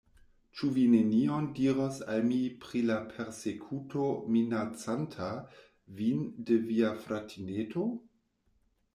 Ĉu vi nenion diros al mi pri la persekuto minacanta vin de via fratineto?